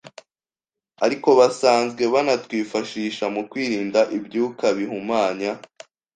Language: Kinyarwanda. ariko basanzwe banatwifashisha mu kwirinda ibyuka bihumanya